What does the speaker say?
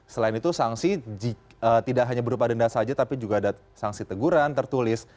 selain itu sanksi tidak hanya berupa denda saja tapi juga ada sanksi teguran tertulis